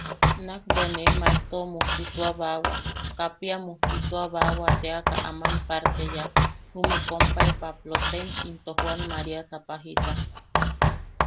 Nakbea ne Maejto mujtituabawa, Kapia mujtituabawa teaka aman parte yaak, jume kompae Paplotaim into Joan María Sapajisa.